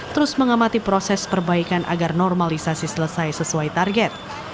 terus mengamati proses perbaikan agar normalisasi selesai sesuai target